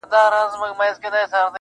د قاضي په نصیحت کي ثمر نه وو-